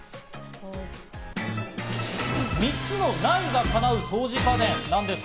３つの「ない」が叶う掃除家電なんです。